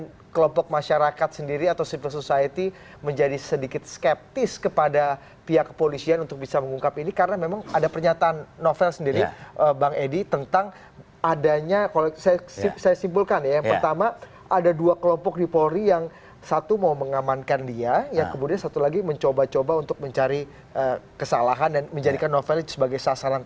kemudian sebagian kelompok masyarakat sendiri atau civil society menjadi sedikit skeptis kepada pihak kepolisian untuk bisa mengungkap ini karena memang ada pernyataan novel sendiri bang edi tentang adanya kalau saya simpulkan ya yang pertama ada dua kelompok di polri yang satu mau mengamankan dia yang kemudian satu lagi mencoba coba untuk mencari kesalahan dan menjadikan novel itu sebagai sasaran tembak